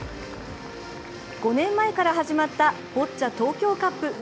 ５年前から始まったボッチャ東京カップ。